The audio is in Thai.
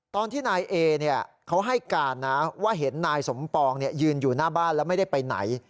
ตอนที่นายเอเขาให้การนะว่าเห็นนายสมปองยืนอยู่หน้าบ้านแล้วไม่ได้ไปไหน